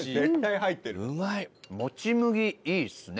もち麦いいっすね。